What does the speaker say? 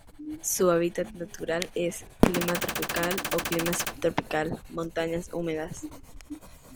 Su hábitat natural es: Clima tropical o Clima subtropical, montañas húmedas.